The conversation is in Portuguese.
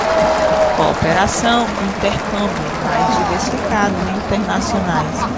Cooperação e intercâmbio mais diversificados e internacionais